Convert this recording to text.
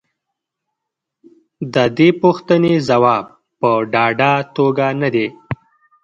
د دې پوښتنې ځواب په ډاډه توګه نه دی.